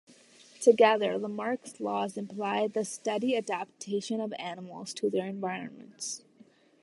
Together, Lamarck's laws imply the steady adaptation of animals to their environments.